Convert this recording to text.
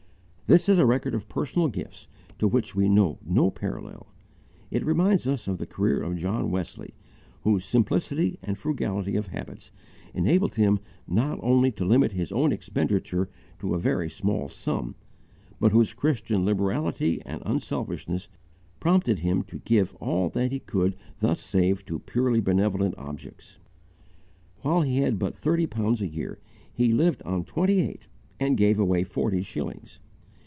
This is a record of personal gifts to which we know no parallel. It reminds us of the career of John Wesley, whose simplicity and frugality of habits enabled him not only to limit his own expenditure to a very small sum, but whose Christian liberality and unselfishness prompted him to give all that he could thus save to purely benevolent objects. While he had but thirty pounds a year, he lived on twenty eight and gave away forty shillings.